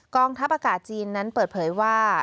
ทัพอากาศจีนนั้นเปิดเผยว่า